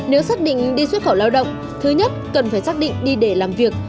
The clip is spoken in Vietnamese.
nếu xác định đi xuất khẩu lao động thứ nhất cần phải xác định đi để làm việc